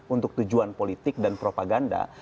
untuk tujuan politik dan propaganda